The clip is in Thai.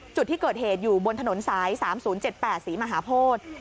จุดที่เกิดเหตุอยู่บนถนนสาย๓๐๗๘ศรีมหาโพธิ